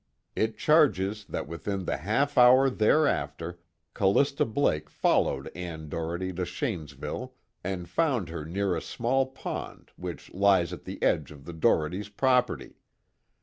It charges that within the half hour thereafter Callista Blake followed Ann Doherty to Shanesville, and found her near a small pond which lies at the edge of the Dohertys' property.